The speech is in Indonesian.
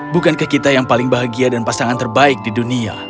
bukankah kita yang paling bahagia dan pasangan terbaik di dunia